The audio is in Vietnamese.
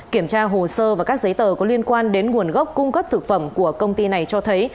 kiểm tra hồ sơ và các giấy tờ có liên quan đến nguồn gốc cung cấp thực phẩm của công ty này cho thấy